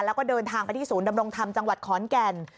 แล้วก็เดินทางไปที่ศูนย์ดำรงธรรมจังหวัดขอนแก่น